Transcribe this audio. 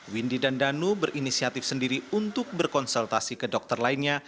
windy dan danu berinisiatif sendiri untuk berkonsultasi ke dokter lainnya